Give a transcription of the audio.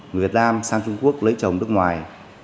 người việt nam sang trung quốc lấy chồng nước ngoài